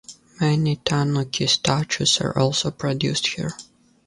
Many tanuki statues are also produced here.